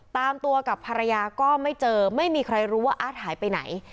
ตามตัวกับภรรยาก็ไม่เจอไม่มีใครรู้ว่าอาร์ตหายไปไหน